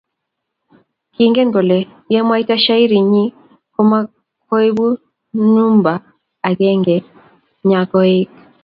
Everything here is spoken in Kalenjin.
kingen kole yemwaita shairi nyii ko mo koibu numba akenge nya koeng.